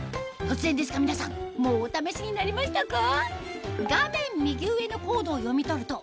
突然ですが皆さんもうお試しになりましたか？